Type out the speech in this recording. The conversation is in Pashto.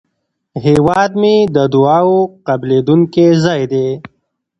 هیواد مې د دعاوو قبلېدونکی ځای دی